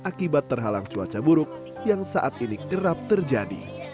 akibat terhalang cuaca buruk yang saat ini kerap terjadi